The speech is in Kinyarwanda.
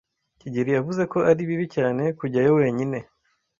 kigeli yavuze ko ari bibi cyane kujyayo wenyine.